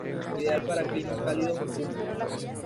Ideal para climas cálidos húmedos..